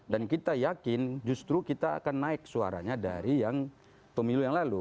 dan kita yakin justru kita akan naik suaranya dari yang pemilu yang lalu